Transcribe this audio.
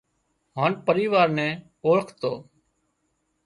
هانَ پريوار نين اوۯکتو